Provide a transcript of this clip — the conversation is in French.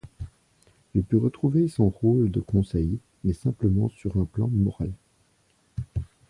Il put retrouver son rôle de conseil, mais simplement sur un plan moral.